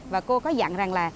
và cô có dạng rằng là